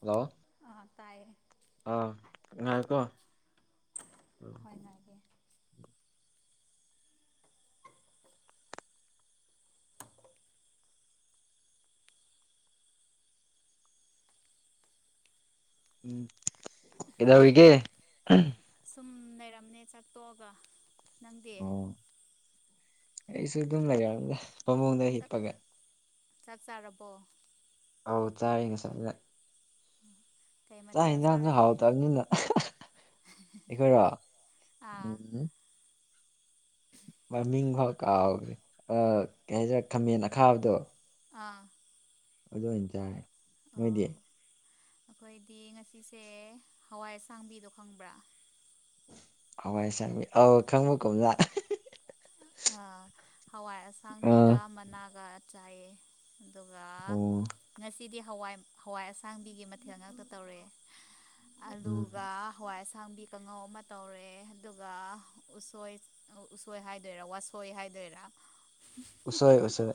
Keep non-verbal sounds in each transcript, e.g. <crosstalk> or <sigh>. Hello ꯑꯥ ꯇꯥꯏꯌꯦ ꯑꯥ ꯉꯀꯣ ꯍ ꯑꯒꯤꯦ ꯎꯝ ꯏꯕꯒꯦ ꯁꯨꯝ ꯂꯩꯔꯝꯅꯦ ꯆꯠꯇꯣꯛꯑꯒ ꯅꯪꯗꯤ ꯑꯣ ꯑꯩꯁꯨ ꯑꯗꯨꯝ ꯂꯩꯔꯔꯝꯗꯦ ꯃꯃꯨꯡꯗ ꯍꯤꯠꯄꯒꯦ ꯆꯞ ꯆꯥꯔꯕꯣ ꯑꯧ ꯆꯥꯔꯤ ꯉꯁꯥꯏꯗ ꯀꯩ ꯆꯥꯛ ꯃꯊꯦꯜ ꯌꯦꯟꯁꯥꯡꯁꯨ ꯆꯥꯔꯒꯦ ꯍꯥꯎꯇꯕꯅꯤꯅ ꯑꯩꯈꯣꯏꯔꯣ ꯑꯥ ꯎꯝ ꯃꯃꯤꯡ ꯐꯥꯎ ꯀꯥꯎꯈ꯭ꯔꯦ ꯀꯩ ꯍꯥꯏꯁꯤꯔꯦ ꯈꯥꯃꯦꯟ ꯑꯈꯥꯕꯗꯣ ꯑꯥ ꯑꯗꯨ ꯑꯣꯏꯅꯇꯥꯔꯦ ꯑꯣ ꯅꯣꯏꯗꯤ ꯑꯩꯈꯣꯏꯗꯤ ꯉꯁꯤꯁꯦ ꯍꯋꯥꯏ ꯑꯁꯥꯡꯕꯤꯗꯣ ꯈꯪꯕ꯭ꯔꯥ ꯍꯋꯥꯏꯁꯥꯟꯕꯤ ꯑ ꯈꯪꯕ ꯀꯣꯨꯝꯖꯥ ꯑꯥ ꯍꯋꯥꯏ ꯑꯥ ꯑꯁꯥꯡꯕꯤꯒ ꯃꯅꯥꯒ ꯆꯥꯏꯌꯦ ꯑꯗꯨꯒ ꯑꯣ ꯅ <unintelligible> ꯁꯤꯗꯤ ꯍꯋꯥꯏ ꯍꯋꯥꯏ ꯑꯁꯥꯡꯕꯤꯒꯤ ꯃꯊꯦꯜ ꯉꯥꯛꯇ ꯇꯧꯔꯛꯦ ꯎꯝ ꯑꯗꯨꯒ ꯍꯋꯥꯏ꯫ ꯊꯥꯡꯕꯤ ꯀꯥꯡꯉꯧ ꯑꯃ ꯇꯧꯔꯦ ꯑꯗꯨꯒ ꯎꯁꯣꯏ꯫ ꯎꯁꯣꯏ ꯍꯥꯏꯗꯣꯏꯔꯥ ꯋꯥꯁꯣꯏ ꯍꯥꯏꯗꯣꯏꯔꯥ꫰ ꯎꯁꯣꯏ ꯎꯁꯣꯏ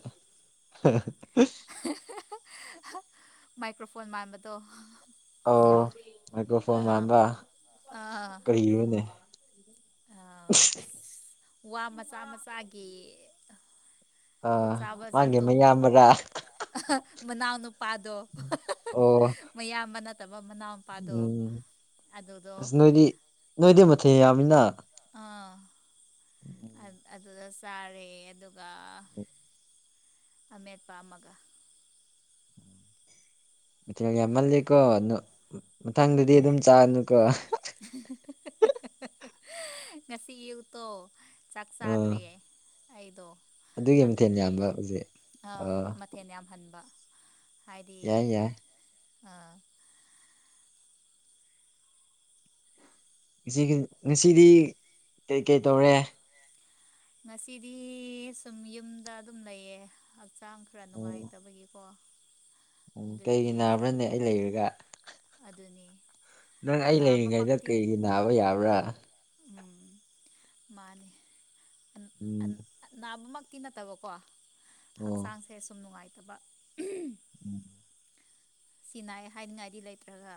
ꯃꯥꯏꯀ꯭ꯔꯣꯐꯣꯟ ꯃꯥꯟꯕꯗꯣ ꯑ ꯃꯥꯏꯀ꯭ꯔꯣꯐꯣꯟ ꯑꯥ ꯃꯝꯕ ꯑꯥ ꯀꯔꯤꯅꯦ ꯋꯥ ꯃꯆꯥ ꯃꯆꯥꯒꯤ ꯑꯥ ꯆꯥꯕ ꯃꯥꯡꯒꯦ ꯖꯥꯠꯇꯣ ꯃꯌꯥꯝꯕ꯭ꯔꯥ ꯃꯅꯥꯎ ꯅꯨꯄꯥꯗꯣ ꯑꯣ ꯃꯌꯥꯝꯕꯅ ꯃ ꯃꯅꯥꯄꯥꯗ ꯎꯝ ꯑꯗꯨꯗ ꯊꯤ ꯌꯥꯃꯤꯅ ꯑꯗꯨꯗ ꯆꯥꯔꯦ ꯑꯗꯨꯒ ꯑꯃꯦꯠꯄ ꯑꯃꯒ ꯃꯊꯦꯜ ꯌꯥꯝꯃꯂꯦ ꯀꯣ ꯑꯗꯨ ꯃꯊꯥꯡꯗꯗꯤ ꯑꯗꯨꯝ ꯆꯥꯅꯨꯀꯣ ꯉꯁꯤ ꯑꯌꯨꯛꯇꯣ ꯆꯥꯛ ꯑꯥ ꯆꯥꯗ꯭ꯔꯦ ꯑꯩꯗꯣ ꯃꯊꯦꯜ ꯑꯗꯨꯒꯤ ꯌꯥꯝꯕ ꯍꯧꯖꯤꯛ ꯑꯥ ꯃꯊꯦꯜ ꯌꯥꯝꯍꯟꯕ ꯍꯥꯏꯗꯤ ꯌꯥꯏ ꯌꯥꯏ ꯑꯥ ꯉꯁꯤꯗꯤ ꯀꯩ ꯀꯩ ꯇꯧꯔꯦ ꯉꯁꯤꯗꯤ ꯁꯨꯝ ꯌꯨꯝꯗ ꯑꯗꯨꯝ ꯂꯩꯌꯦ ꯍꯛꯆꯥꯡ ꯈꯔ ꯎꯝ ꯅꯨꯡꯉꯥꯏꯇꯕꯒꯤꯀꯣ ꯎꯝ ꯀꯩꯒꯤ ꯑꯗꯨꯒꯤ ꯅꯥꯕ꯭ꯔꯅꯦ ꯑꯩ ꯂꯩꯔꯒ ꯑꯗꯨꯅꯤ ꯅꯪ ꯑꯩ ꯂꯩꯔꯤꯉꯩꯗ ꯅꯥꯕꯃꯛꯇꯤ ꯀꯩꯒꯤ ꯅꯥꯕ ꯌꯥꯕ꯭ꯔꯥ ꯎꯝ ꯃꯥꯅꯤ ꯎꯝ ꯅꯥꯕꯃꯛ ꯛꯇꯤ ꯅꯠꯇꯕꯀꯣ ꯑꯣ ꯍꯛꯆꯥꯡꯁꯦ ꯁꯨꯝ ꯅꯨꯡꯉꯥꯏꯇꯕ ꯎꯝ ꯁꯤꯅ ꯍꯥꯏꯅꯤꯡꯉꯥꯏꯗꯤ ꯂꯩꯇ꯭ꯔꯒ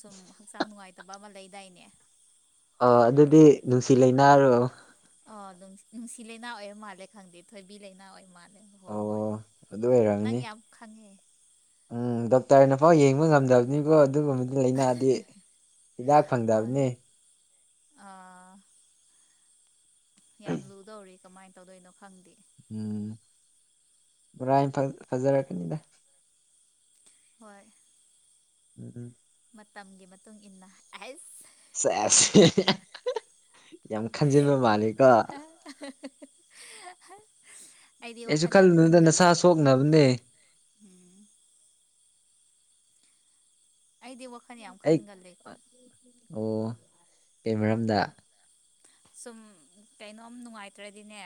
ꯁꯨꯝ ꯍꯛꯆꯥꯡ ꯅꯨꯡꯉꯥꯏꯇꯕ ꯑꯃ ꯂꯩꯗꯥꯏꯅꯦ <unintelligible> ꯑꯣ ꯅꯨꯡꯁꯤ ꯂꯩꯅꯥ ꯑꯣꯏ ꯃꯥꯜꯂꯦ ꯈꯪꯗꯦ ꯊꯣꯏꯕꯤ ꯂꯩꯥꯏꯅꯥ ꯑꯣꯏ ꯃꯥꯜꯂꯦ ꯍꯣꯏ ꯑꯣ ꯍꯣꯏ ꯑꯗꯨ ꯅꯪ ꯑꯣꯏꯔꯝꯅꯤ ꯌꯥꯝ ꯈꯪꯉꯦ ꯎꯝ ꯗꯣꯛꯇꯔꯅꯐꯥꯎ ꯌꯦꯡꯕ ꯉꯝꯗꯕꯅꯤꯕ ꯑꯗꯨꯒꯨꯝꯕꯗꯤ ꯂꯥꯏꯅꯥꯗꯤ ꯍꯤꯗꯥꯛ ꯐꯪꯗꯕꯅꯤ ꯑꯥ ꯌꯥꯝ ꯂꯨꯗꯧꯔꯤ ꯀꯃꯥꯏꯅ ꯇꯧꯗꯣꯏꯅꯣ ꯈꯪꯗꯦ ꯎꯝ ꯕꯣꯔꯥ ꯐꯖꯔꯛꯀꯅꯤꯗ ꯍꯣꯏ ꯎꯝ ꯎꯝ ꯃꯇꯝꯒꯤ ꯃꯇꯨꯡ ꯏ ꯃꯇꯨꯡꯏꯟꯅꯁ ꯆꯁ ꯌꯥꯝ ꯈꯟꯖꯤꯟꯕ ꯃꯥꯅꯤꯀꯣ <inaudible> ꯑꯩꯁꯨ ꯌꯥꯝ ꯈꯜꯂꯕꯗ ꯈꯟꯒꯜꯂꯦ ꯅꯁꯥ ꯁꯣꯛꯅꯕꯅꯦ ꯎꯝ ꯑꯩꯗꯤ ꯋꯥ ꯑꯩ ꯑꯣ ꯀꯩ ꯃꯔꯝꯗ ꯁꯨꯝ ꯀꯩꯅꯣꯝ ꯅꯨꯡꯉꯥꯏꯇ꯭ꯔꯗꯤꯅꯦ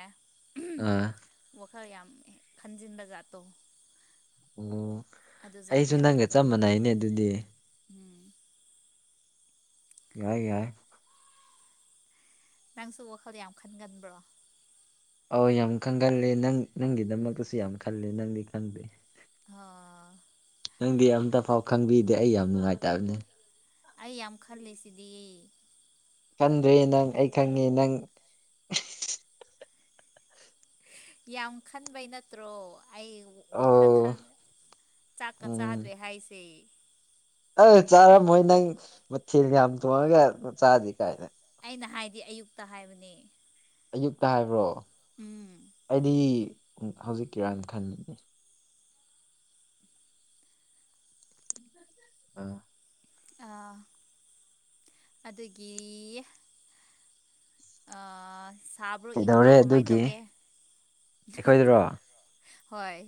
ꯑ ꯈꯔ ꯌꯥꯝ ꯈꯟꯖꯤꯟꯗ ꯖꯠꯇꯣ ꯑꯣ ꯑꯩꯁꯨ ꯅꯪꯒ ꯆꯞ ꯇꯧꯒꯜꯂꯦ ꯃꯥꯟꯅꯩꯅꯦ ꯑꯗꯨꯗꯤ ꯎꯝ ꯌꯥꯏ ꯌꯥꯏ ꯅꯪꯁꯨ ꯋꯥꯈꯜ ꯌꯥꯝ ꯈꯟꯒꯟꯕ꯭ꯔꯣ ꯑꯧ ꯌꯥꯝ ꯈꯪꯒꯜꯂꯦ ꯅꯪ ꯅꯪꯒꯤꯗꯃꯛꯇꯁꯨ ꯌꯥꯝ ꯈꯜꯂꯦ ꯅꯪꯗꯤ ꯈꯪꯗꯦ ꯑ ꯅꯪꯗꯤ ꯑꯃꯝꯇ ꯐꯥꯎ ꯈꯪꯕꯤꯗꯦ ꯑꯩ ꯌꯥꯝ ꯅꯨꯡꯉꯥꯏꯇꯕꯅꯤ ꯑꯩ ꯌꯥꯝ ꯈꯜꯂꯤ ꯁꯤꯗꯤ ꯈꯟꯗ꯭ꯔꯦ ꯅꯪ ꯑꯩ ꯈꯪꯉꯦ ꯅꯪ ꯌꯥꯝ ꯈꯟꯕꯩ ꯅꯠꯇ꯭ꯔꯣ ꯑꯩ ꯋꯥꯈꯜ ꯈꯜ ꯑꯣ ꯆꯥꯛꯀ ꯎꯝ ꯆꯥꯗ꯭ꯔꯦ ꯍꯥꯏꯁꯦ ꯑꯩ ꯆꯥꯔꯝꯃꯣꯏ ꯅꯪ ꯃꯊꯦꯜ ꯌꯥꯝ ꯊꯣꯡꯉꯒ ꯆꯥꯗꯤ ꯀꯥꯏꯅ ꯑꯩꯅ ꯍꯥꯏꯗꯤ ꯑꯌꯨꯛꯇ ꯍꯥꯏꯕꯅꯤ ꯑꯌꯨꯛꯇ ꯍꯥꯏꯕ꯭ꯔꯣ ꯑꯩꯗꯤ ꯍꯧꯖꯤꯛꯀꯤꯔꯥꯟ ꯈꯟꯕꯅꯤ ꯑꯥ ꯑ ꯑꯗꯨꯗꯒꯤ ꯁꯥꯕ꯭ꯔꯣ ꯏꯪꯕ꯭ꯔꯣ ꯀꯩꯗꯧꯔꯦ ꯀꯃꯥꯏꯅ ꯑꯗꯨꯒꯤ ꯇꯧꯒꯦ ꯑꯩꯈꯣꯏꯗꯔꯣ ꯍꯣꯏ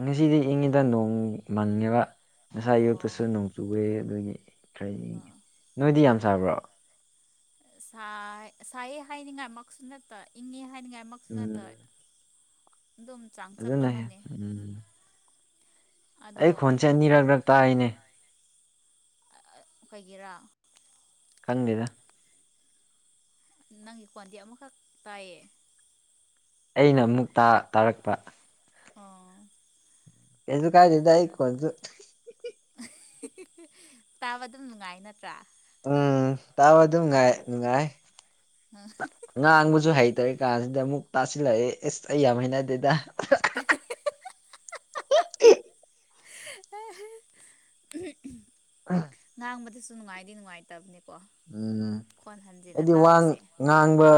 ꯉꯁꯤꯗꯤ ꯏꯪꯉꯤꯗ ꯅꯣꯡꯃꯟꯉꯦꯕ ꯉꯁꯥꯏ ꯌꯣꯛꯛꯇꯁꯨ ꯑꯣ ꯅꯣꯡ ꯆꯨꯨꯔꯦ ꯑꯗꯨꯒꯤ ꯀꯔꯤ ꯅꯣꯏꯗꯤ ꯌꯥꯝ ꯁꯥꯥꯕ꯭ꯔꯣ ꯁꯥꯏ ꯍꯥꯏꯅꯤꯡꯉꯥꯏ ꯃꯁꯨ ꯅꯠꯇ ꯏꯪꯉꯦ ꯍꯥꯏꯅꯤꯡꯉꯥꯏꯃꯛꯁꯨ ꯎꯝ ꯅꯠꯇꯣꯏ ꯑꯗꯨꯅ ꯎꯝ ꯑꯗꯣ ꯑꯩ ꯈꯣꯟꯁꯦ ꯑꯅꯤꯔꯛ ꯔꯛ ꯇꯥꯔꯤꯅꯦ ꯑꯣꯏꯩꯒꯤꯦꯔꯥ ꯈꯪꯗ ꯅꯪꯒꯤ ꯀ꯭ꯣꯟꯗꯤ ꯑꯃꯈꯛ ꯇꯥꯏꯌꯦ ꯑꯩꯅ ꯑꯃꯨꯛ ꯇꯥꯔꯛꯄ ꯑꯣ ꯌꯥꯁꯨ ꯀꯥꯏ ꯂꯩꯗ ꯑꯩ ꯀꯣ ꯑꯗꯨ ꯇꯕꯗꯨ ꯃꯅꯨꯡꯉꯥꯏꯅ ꯎꯝ ꯇꯥꯕ ꯑꯗꯨꯅꯨꯡ ꯉꯥꯏ ꯅꯨꯡꯉꯥꯏ ꯉꯥꯡꯕꯁꯨ ꯍꯩꯇꯔꯤ ꯀꯥꯟꯁꯤꯗ ꯑꯃꯨꯛ ꯇꯥꯁꯤꯜꯂꯛꯑꯦ ꯑꯦꯁ ꯑꯩ ꯌꯥꯝ ꯍꯩꯅꯗꯦꯗ <inaudible> ꯉꯥꯡꯕꯗꯤꯁꯨ ꯅꯨꯡꯉꯥꯏꯗꯤ ꯅꯨꯡꯉꯥꯏ ꯇꯕꯅꯤ ꯎꯝ ꯑꯩꯗꯤ ꯋꯥ ꯇꯥꯕꯁꯦ ꯉꯥꯡꯕ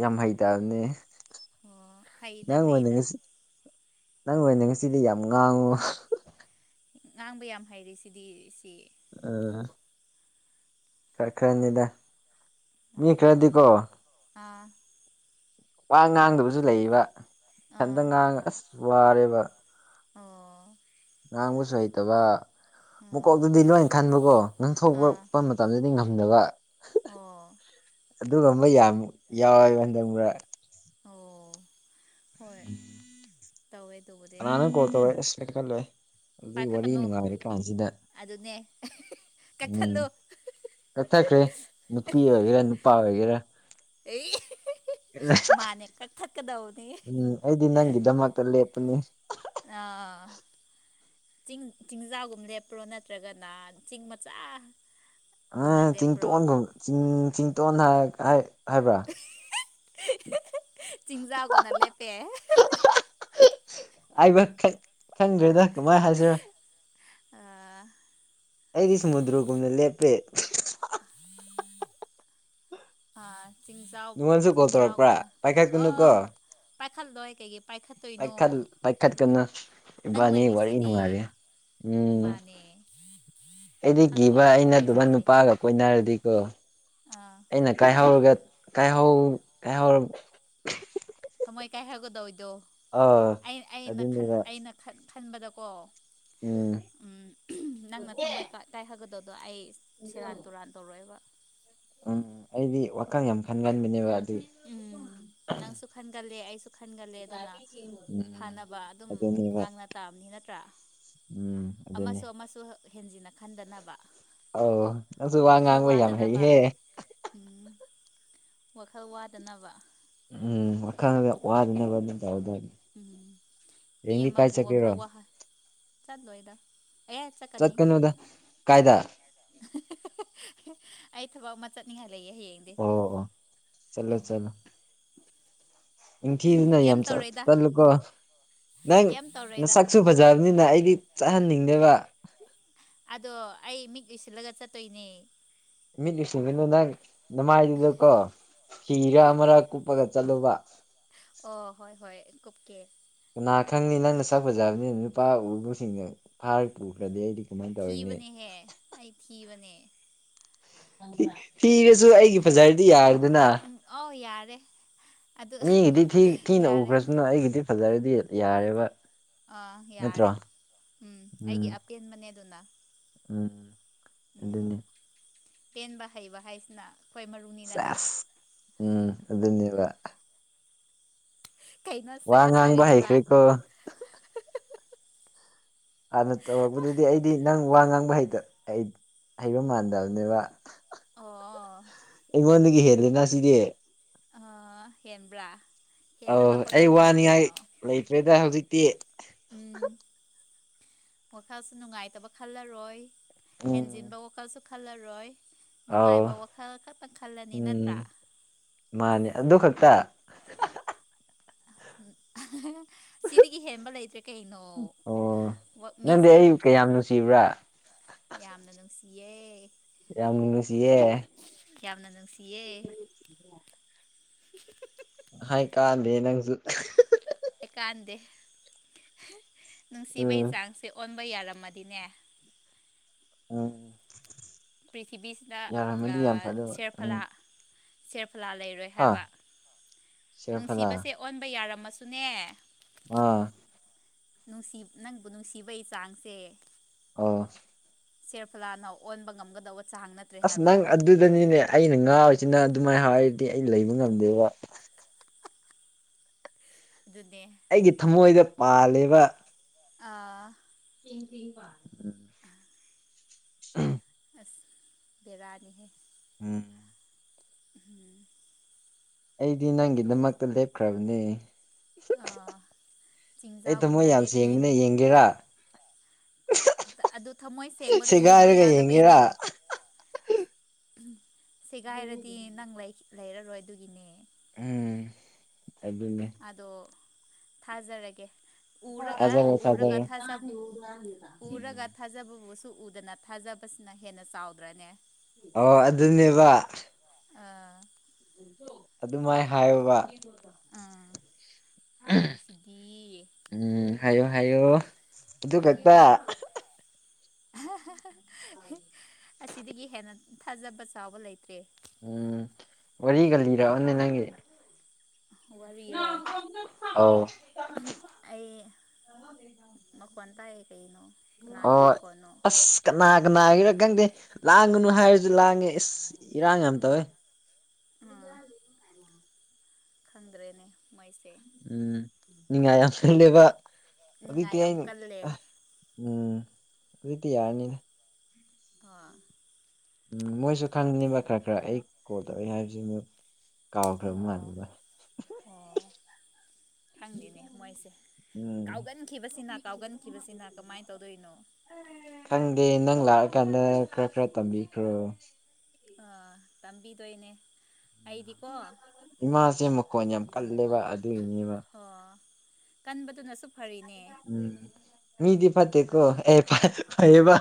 ꯌꯥꯝ ꯍꯩꯇꯕꯅꯦ ꯑꯣ ꯍꯩꯗ ꯅꯪ ꯑꯣꯏꯅ ꯍꯩꯗ ꯉꯁꯤ ꯅꯪ ꯑꯣꯏꯅ ꯉꯁꯤꯗꯤ ꯌꯥꯝ ꯉꯥꯡꯉꯨ ꯉꯥꯡꯕ ꯌꯥꯝ ꯍꯩꯔꯦ ꯁꯤꯗꯤ ꯁꯤ ꯑ ꯈꯔ ꯈꯔꯅꯤꯗ ꯃꯤ ꯈꯔꯗꯤꯀꯣ ꯑꯥ ꯋꯥ ꯉꯥꯡꯗꯕꯁꯨ ꯂꯩꯕ ꯏꯊꯟꯇ ꯑꯥ ꯉꯥꯡꯉ ꯑꯁ ꯋꯥꯔꯦꯕ ꯑꯣ ꯉꯥꯡꯕꯁꯨ ꯍꯩꯇꯕ ꯑꯥ ꯃꯀꯣꯛꯇꯨꯗꯤ ꯅꯣꯏꯅ ꯈꯟꯕꯀꯣ ꯑꯥ ꯉꯥꯡꯊꯣꯛꯄꯛꯄ ꯃꯇꯝꯗꯗꯤ ꯉ ꯊꯤꯡꯕ ꯑꯣ ꯑꯗꯨꯒꯨꯝꯕ ꯌꯥꯝ ꯌꯥꯎꯋꯦꯕ ꯍꯟꯗꯛꯕ꯭ꯔꯥ ꯑꯣ ꯍꯣꯏ ꯇꯧꯋꯦ ꯑꯗꯨꯕꯨꯗꯤ ꯀꯅꯥꯅꯪ ꯀꯣꯜ ꯇꯧꯔꯦ ꯑꯁ ꯈꯜꯂꯦ ꯑꯗꯨꯏ ꯋꯥꯔꯤ ꯄꯥꯏꯈꯠꯀꯅꯨ ꯅꯨꯡꯉꯥꯏꯔ ꯀꯥꯟꯁꯤꯗ ꯀꯊꯜꯂꯣ ꯀꯠꯊꯈ꯭ꯔꯦ ꯅꯨꯄꯤ ꯑꯣꯏꯒꯦꯔꯥ ꯅꯨꯄꯥ ꯑꯣꯏꯒꯦꯔꯥ ꯑꯩ ꯃꯥꯅꯦ ꯀꯛꯊꯠꯀꯗꯧꯕꯅꯤ ꯎꯝ ꯑꯩꯗꯤ ꯅꯪꯒꯤꯗꯃꯛꯇ ꯂꯦꯞꯄꯅꯤ ꯑꯥ ꯆꯤꯡ ꯆꯤꯡꯖꯥꯛꯒꯨꯝ ꯂꯦꯞꯄ꯭ꯔꯣ ꯅꯠꯇ꯭ꯔꯒꯅ ꯆꯤꯡ ꯃꯆꯥ ꯑ ꯆꯤꯡꯇꯣꯟꯒꯨꯝꯤꯡ ꯆꯤꯡꯇꯣꯟ ꯍꯥꯏꯕ꯭ꯔꯥ ꯆꯤꯡꯖꯥꯒꯨꯝ ꯅ ꯂꯩꯦ ꯄꯦ ꯑꯩꯕ ꯈꯪꯗ꯭ꯔꯦꯗ ꯀꯃꯥꯏꯅ ꯍꯥꯏꯖꯔꯣ ꯑ ꯑꯩꯗꯤ ꯁꯃꯨꯗ꯭ꯔꯒꯨꯝꯅ ꯂꯦꯞꯄꯦ ꯑꯥ ꯆꯤꯡꯖꯥꯎ ꯅꯉꯣꯟꯁꯨ ꯀꯣꯜ ꯇꯧꯔꯛꯄ꯭ꯔꯥ ꯄꯥꯏꯈꯠꯀꯅꯨ ꯀꯣ ꯄꯥꯏꯈꯜꯗꯋꯥꯏ ꯀꯩꯒꯤ ꯄꯥꯏꯈꯠꯇꯣꯏꯅꯣ ꯄꯥꯏꯈꯠ ꯄꯥꯏꯈꯠꯀꯅ ꯅꯪ ꯏꯕꯥꯅꯤ ꯋꯥꯔꯤ ꯂꯩꯔꯤꯁꯤꯗꯤ ꯅꯨꯡꯉꯥꯏꯔꯦ ꯎꯝ ꯃꯥꯅꯦ ꯑꯩꯗꯤ ꯀꯤꯕ ꯈꯪꯗꯦꯗ ꯑꯩꯅ ꯑꯗꯨꯃ ꯃꯤꯁꯤꯡꯁꯦ ꯅꯨꯄꯥꯒ ꯀꯣꯏꯅꯔꯗꯤꯀꯣ ꯑꯥ ꯑꯩꯅ ꯀꯥꯏꯍꯧꯔꯒꯦ ꯀꯥꯏꯍꯧ ꯀꯥꯏꯍꯧꯔ ꯊꯃꯣꯏ ꯀꯥꯏ ꯍꯥꯏꯒꯗꯣ ꯏꯗꯣ ꯑꯥ ꯑꯗꯨꯅꯤꯕ ꯈꯟ ꯈꯟꯕꯗꯀꯣ ꯅꯪꯅ ꯊꯝꯃꯣꯏ ꯀꯥꯏ ꯍꯥꯏꯒꯗꯗꯣ ꯑꯩ ꯁꯦꯔꯥꯟ ꯇꯨꯔꯥꯟ ꯇꯧꯔꯛꯑꯦꯕ ꯎꯝ ꯑꯩꯗꯤ ꯋꯥꯈꯜ ꯌꯥꯝ ꯈꯟꯒꯟꯕꯅꯦꯕ ꯑꯗꯨ ꯎꯝ ꯅꯅꯥꯪꯁꯨ ꯈꯥꯟꯒꯂꯦ ꯑꯁꯨ ꯈꯟꯒꯜꯂꯦ ꯑꯗꯨꯅ ꯎꯝ ꯐꯥꯅꯕ ꯑꯗꯨꯝ ꯑꯗꯨꯅꯦꯕ ꯉꯥꯡꯅ ꯇꯥꯕꯅꯤ ꯅꯠꯇ꯭ꯔꯥ ꯎꯝ ꯑꯃꯁꯨ ꯑꯗꯨꯅꯤ ꯑꯃꯁꯨ ꯍꯦꯟꯖꯤꯟꯅ ꯈꯟꯗꯅꯕ ꯑꯗꯨꯁꯨ ꯋꯥ ꯋꯥꯈꯜ ꯉꯥꯡꯕ ꯌꯥꯝ ꯋꯥꯗꯅꯕ ꯍꯩꯍꯦ ꯎꯝ ꯋꯥꯈꯜ ꯋꯥꯗꯅꯕ ꯎꯝ ꯋꯥꯈꯪꯗ ꯋꯥꯗꯅꯕ ꯑꯗꯨꯝ ꯍꯥꯎꯗ ꯎꯝ ꯌꯦꯒꯤꯤ ꯀꯥꯏ ꯆ ꯀꯦꯔ ꯆ ꯂꯣꯏꯗ ꯆꯠ ꯀꯩꯅꯗ ꯀꯥꯏꯗ ꯑꯩ ꯊꯕꯛ ꯑꯃ ꯆꯠꯅꯤꯡꯉꯥꯏ ꯂꯩ ꯍ ꯑꯣ ꯑꯣ ꯏ ꯊꯤꯅ ꯌꯥꯝ ꯆ ꯇꯧꯔꯣꯏꯗ ꯇꯂꯨꯀꯣ ꯅꯪ ꯀꯩꯝ ꯇꯧꯔꯣꯏꯗ ꯅꯁꯛꯁꯨ ꯐꯖꯕꯅꯤꯅ ꯑꯩꯗꯤ ꯆꯠꯍꯟꯅꯤꯡꯗꯦꯕ ꯑꯗꯣ ꯑꯩ ꯃꯤꯠ ꯎꯁꯤꯜꯂꯒ ꯆꯠꯇꯣꯏꯅꯦ ꯃꯤꯠ ꯂꯤꯁꯤꯡꯗꯨꯅ ꯅꯪ ꯅꯨꯡꯉꯥꯏꯗꯨꯗꯀꯣ ꯍꯤꯔ ꯑꯃꯔꯛ ꯀꯨꯞꯄꯒ ꯆꯠꯂꯨꯕ ꯑꯣ ꯍꯣꯏ ꯍꯣꯏ ꯀꯨꯞ ꯀꯦ ꯀꯅꯥ ꯈꯪꯅꯤ ꯅꯪꯅ ꯆꯥꯛꯄꯖꯕꯅꯤꯅ ꯅꯨꯄꯥ ꯎꯕꯁꯤꯡꯅ ꯐꯥꯔꯒ ꯄꯨꯈ꯭ꯔꯗꯤ ꯑꯩꯗꯤ ꯀꯃꯥꯏꯅ ꯇꯧꯔꯤꯅꯤ ꯊꯤꯕꯅꯦꯍꯦ ꯑꯩ ꯊꯤꯕꯅꯦ ꯊꯤꯔꯁꯨ ꯑꯩꯒꯤ ꯐꯖꯔꯗꯤ ꯌꯥꯔꯦꯗꯅ ꯦ ꯃꯤꯒꯤꯗꯤ ꯊꯤ ꯊꯤꯅ ꯎꯈ꯭ꯔꯁꯨꯅ ꯑꯩꯒꯤꯗꯤ ꯐꯖꯔꯗꯤ ꯌꯥꯔꯦꯕ ꯑꯥ ꯅꯠꯇ꯭ꯔꯣ ꯌꯥꯔꯦ ꯎꯝ ꯑꯩꯒꯤ ꯑꯄꯦꯟꯕꯅꯦ ꯑꯗꯨꯅ ꯎꯝ ꯎꯝ ꯑꯦꯗꯅꯤꯦ ꯄꯦꯟꯕ ꯍꯩꯕ ꯍꯥꯏꯁꯤꯅ ꯑꯩꯈꯣꯏ ꯃꯔꯨꯅꯤ ꯅꯠꯇ꯭ꯔꯥ ꯁꯦꯁ ꯎꯝ ꯑꯗꯨꯅꯤꯕ ꯀꯩꯅꯣ ꯆ ꯉꯥꯡꯕ ꯁꯥꯔꯤꯗꯨꯅ ꯍꯩꯈ꯭ꯔꯦꯀꯣ ꯍꯥꯟꯅ ꯇꯧꯔꯛꯄꯗꯗꯤ ꯑꯩꯗꯤ ꯅꯪ ꯋꯥ ꯉꯥꯡ ꯍꯩꯗ ꯑꯩ ꯍꯩꯕ ꯃꯥꯟꯗꯕꯅꯦꯕ ꯑꯣ ꯏꯅꯤꯡꯗꯒꯤ ꯍꯦꯂꯅ ꯁꯤꯗꯤꯦ ꯑ ꯍꯦꯟꯕ꯭ꯔꯥ ꯍꯦꯟꯅꯕ ꯑꯧ ꯑꯩ ꯍꯣꯠꯅꯔꯤꯅꯦ ꯋꯥꯅꯤꯡꯉꯥꯏ ꯀꯩꯅꯣ ꯂꯩꯇ꯭ꯔꯦꯗ ꯍꯧꯖꯤꯛꯇꯤ ꯎꯝ ꯃꯈꯈꯜꯁꯨ ꯅꯨꯡꯉꯥꯏꯇꯕ ꯈꯜꯂꯔꯣꯏ ꯎꯝ ꯍꯦꯟꯖꯤꯤꯟꯕ ꯀꯀꯜ ꯆꯣ ꯈꯜꯥ ꯔꯣꯏ ꯑꯧ ꯅꯨꯡꯉꯥꯏꯕ ꯋꯥꯈꯜ ꯈꯛꯇꯪ ꯈꯜꯂꯅꯤ ꯅꯠꯇ꯭ꯔꯥ ꯠꯇ ꯎ ꯁꯤꯗꯒꯤ ꯍꯦꯟꯕ ꯂꯩꯇ꯭ꯔꯦ ꯀꯩꯅꯣ ꯑꯣ ꯅꯪꯗꯤ ꯃꯤꯁꯦ ꯑꯩ ꯀꯌꯥꯝ ꯅꯨꯡꯁꯤꯕ꯭ꯔꯥ ꯌꯥꯝꯅ ꯅꯨꯡꯁꯤꯌꯦꯦ ꯌꯥꯝꯅꯁꯤꯦ ꯌꯥꯝꯅ ꯅꯨꯡꯁꯤꯌꯦ <inaudible> ꯍꯥꯏꯥꯏ ꯀꯥꯗꯦ ꯅꯪꯁꯨ ꯑꯩꯀꯥꯟꯗꯦ ꯅꯨꯡꯁꯤꯕꯩ ꯎꯝ ꯆꯥꯡꯁꯦ ꯑꯣꯟ ꯝꯕ ꯌꯥꯔꯝꯃꯗꯤꯅꯦ ꯎꯝ ꯄ꯭ꯔꯤꯊꯤꯕꯤꯁꯤꯗ ꯌꯥꯔꯝꯃꯗꯤ ꯌꯥꯝ ꯐꯗꯕ ꯁꯦꯔꯐꯂꯥ ꯎꯝ ꯁꯦ ꯁꯂꯥ ꯂꯩꯔꯣꯏ ꯍꯥꯏꯕ ꯍꯥ ꯁꯦꯔꯐꯂꯥ ꯅꯨꯡꯁꯤꯕꯁꯦ ꯑꯣꯟꯕ ꯌꯥꯔꯝꯃꯁꯨꯅꯦ ꯑꯥ ꯅꯨꯡꯁꯤ ꯅꯪꯕꯨ ꯅꯨꯡꯁꯤꯕꯒꯤ ꯆꯥꯡꯁꯦ ꯑ ꯁꯦꯔꯐꯂꯥꯅ ꯑꯣꯟꯕ ꯉꯝꯒꯗꯕ ꯑꯁ ꯅꯪ ꯑꯗꯨꯗꯅꯤꯅꯦ ꯑꯩꯅ ꯉꯥ ꯁꯤꯅ ꯑꯗꯨꯃꯥꯏꯅ ꯍꯥꯏꯔꯗꯤ ꯑꯩ ꯂꯩꯕ ꯉꯝꯗꯦꯕ ꯑꯗꯨꯅꯦ ꯑꯩꯒꯤ ꯊꯃꯣꯏꯗ ꯄꯥꯜꯂꯤꯕ ꯑꯥ ꯑꯝ ꯑ ꯕꯤꯔꯅꯤꯍꯦ ꯎꯝ ꯎꯝ ꯑꯩꯗꯤ ꯅꯪꯒꯤꯗꯃꯛꯇ ꯂꯦꯞꯈ꯭ꯔꯕꯅꯦ ꯑꯩ ꯇꯃꯣ ꯆꯤꯡꯖꯥꯎꯒꯨꯝꯅ ꯌꯥꯝꯁꯨ ꯂꯦꯞꯄꯤꯌꯨ ꯌꯦꯡꯕꯅ ꯌꯦꯡꯒꯦꯔꯥ ꯑꯗꯨ ꯊꯃꯣꯏ ꯁꯦꯡꯕꯗꯣ ꯌꯦꯡꯕ ꯁꯦꯒꯥꯏꯔꯒ ꯌꯥꯗꯕꯩꯅꯦ ꯌꯦꯡꯒꯦꯔꯥ ꯁꯦꯒꯥꯏꯔꯗꯤ ꯅꯪ ꯂꯩꯔꯔꯣꯏ ꯑꯗꯨꯒꯤꯅꯦ ꯎꯝ ꯑꯗꯨꯟꯅ ꯑꯗꯣ ꯊꯥꯖꯔꯒꯦ ꯎꯔꯒ ꯊꯥꯖꯔꯦ ꯎꯔꯒ ꯊꯥꯖꯔꯦ ꯊꯥꯖ ꯎꯝ ꯎꯔꯒ ꯊꯥꯖꯕꯁꯨ ꯎꯗꯅ ꯊꯥꯖꯕꯁꯤꯅ ꯍꯦꯟꯅ ꯆꯥꯎꯗ꯭ꯔꯅꯦ ꯑꯣ ꯑꯗꯨꯅꯦꯕ ꯑꯥ ꯑꯗꯨꯃꯥꯏꯅ ꯍꯥꯏꯌꯕ ꯑꯥ ꯍꯥꯏꯔꯤꯁꯤꯗꯤ ꯎꯝ ꯍꯥꯏꯌꯣ ꯍꯥꯏꯌꯌꯣ ꯑꯗꯨ ꯀꯛꯇ ꯎꯝ ꯑꯁꯤꯗꯒꯤ ꯍꯦꯟꯅ ꯊꯥꯖꯕ ꯆꯥꯎꯕ ꯂꯩꯇ꯭ꯔꯦ ꯎꯝ ꯋꯥꯔꯤꯒꯜꯂꯤꯔꯟꯅꯦ ꯅꯪꯒꯤ ꯋꯥꯔꯤꯔꯣ ꯑꯧ ꯑꯩ ꯃꯈꯣꯟ ꯇꯥꯏꯌꯦ ꯀꯩꯅꯣ ꯍ ꯀꯅꯥꯒꯤ ꯑꯣ ꯃꯈꯣꯟꯅꯣ ꯑꯁ ꯀꯅꯥ ꯀꯅꯥ ꯍꯥꯏꯔ ꯈꯪꯗꯦ ꯂꯥꯡꯒꯅꯨ ꯍꯥꯏꯔꯁꯨ ꯂꯥꯡꯉꯦ ꯏꯁꯁ ꯏꯔꯥꯡ ꯌꯥꯝ ꯇꯧꯋꯦ ꯑꯥ ꯈꯪꯗ꯭ꯔꯦꯅꯦ ꯃꯥꯏꯁꯦ ꯎꯝ ꯅꯤꯡ ꯑ ꯌꯥꯝ ꯂꯂꯦꯕ ꯅꯤꯡꯉꯥꯏ ꯑꯃ ꯀꯜꯂꯦ ꯎꯝ ꯑꯗꯨꯗꯤꯤ ꯌꯥꯔꯅꯤꯅꯦ ꯑ ꯎꯝ ꯃꯣꯏꯁꯨ ꯈꯪꯅꯤꯡꯕ ꯈꯔ ꯈꯔ ꯑꯩ ꯀꯣꯜ ꯇꯧꯏ ꯍꯥꯏꯕꯁꯤꯃꯨꯛ ꯀꯥꯎꯈ꯭ꯔꯕ ꯑꯣ ꯃꯥꯟꯕꯕ ꯑꯣ ꯈꯪꯗꯦꯅꯦ ꯃꯣꯏꯁꯦ ꯎꯝ ꯀꯥꯎꯒꯟꯈꯤꯕꯁꯤꯅ ꯀꯥꯎꯒꯟꯈꯤꯕꯁꯤꯅ ꯀꯃꯥꯏꯅ ꯇꯧꯗꯣꯏꯅꯣ ꯈꯪꯗꯦ ꯅꯪ ꯂꯥꯛꯑꯀꯥꯟꯗ ꯈꯔ ꯈꯔ ꯇꯝꯕꯤꯈ꯭ꯔꯣ ꯑ ꯇꯥꯝꯕꯤꯗ ꯏꯅꯦ ꯏꯃꯥꯁꯦ ꯃꯈꯣꯟ ꯌꯥꯝ ꯀꯜꯂꯦꯕ ꯑꯗꯨꯏꯅꯦꯕ ꯀꯟꯕꯗꯨꯅꯁꯨꯨꯞ ꯎꯝ ꯃꯤꯗꯤ ꯐꯠꯇꯦꯀꯣ ꯑꯦ ꯐꯩꯌꯦꯕꯥ